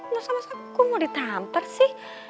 masa masa kok mau ditampar sih